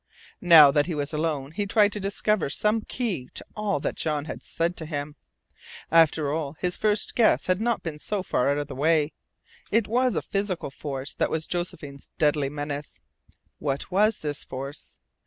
Now that he was alone he tried to discover some key to all that Jean had said to him. After all, his first guess had not been so far out of the way: it was a physical force that was Josephine's deadliest menace. What was this force?